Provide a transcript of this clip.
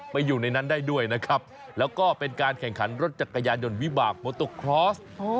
อยู่ในนั้นได้ด้วยนะครับแล้วก็เป็นการแข่งขันรถจักรยานยนต์วิบากโมโตครอส